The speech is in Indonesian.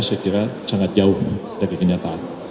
saya kira sangat jauh dari kenyataan